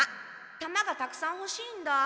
たまがたくさんほしいんだ。